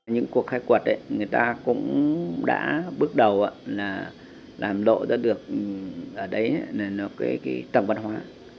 những cuộc khai quật người ta cũng đã bước đầu làm đổ ra được tầng văn hóa